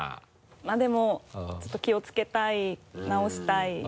まぁでもちょっと気をつけたい直したい。